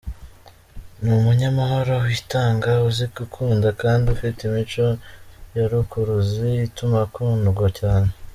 Ni umunyamahoro, witanga , uzi gukunda kandi ufite imico ya rukuruzi ituma akundwa cyane.